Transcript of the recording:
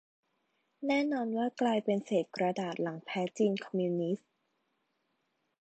แน่นอนว่ากลายเป็นเศษกระดาษหลังแพ้จีนคอมมิวนิสต์